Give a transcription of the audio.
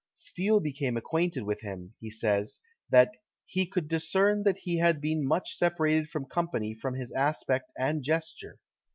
Steele became acquainted with him; he says, that "he could discern that he had been much separated from company from his aspect and gesture.